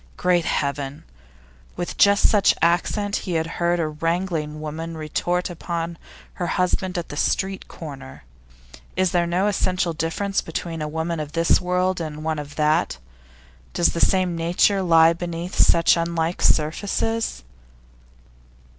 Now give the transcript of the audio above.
Great Heaven! With just such accent he had heard a wrangling woman retort upon her husband at the street corner. Is there then no essential difference between a woman of this world and one of that? Does the same nature lie beneath such unlike surfaces?